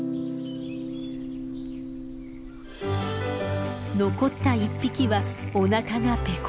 残った１匹はおなかがペコペコ。